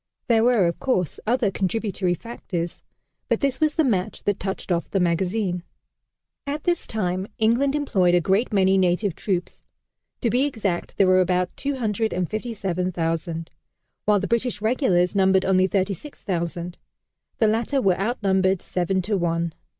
There were, of course, other contributory factors, but this was the match that touched off the magazine. At this time England employed a great many native troops. To be exact, there were about 257,000; while the British regulars numbered only 36,000. The latter were outnumbered seven to one.